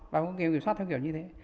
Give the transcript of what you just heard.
và cũng kiểm soát theo kiểu như thế